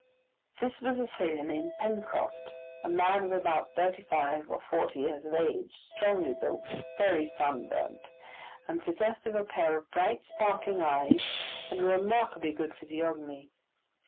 This was a sailor named Pencroft, a man of about thirty five or forty years of age, strongly built, very sunburnt, and possessed of a pair of bright sparkling eyes and a remarkably good physiognomy.